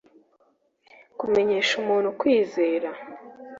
kumenyesha umuntu; kwizera